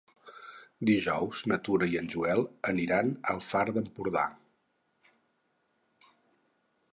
Dijous na Tura i en Joel aniran al Far d'Empordà.